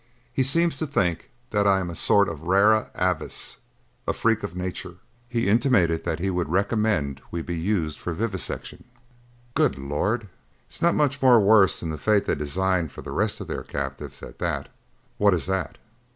He seems to think that I am a sort of a rara avis, a freak of nature. He intimated that he would recommend that we be used for vivisection." "Good Lord!" "It's not much more worse than the fate they design for the rest of their captives, at that." "What is that?"